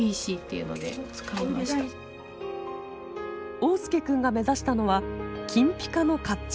桜介くんが目指したのは金ぴかの甲冑。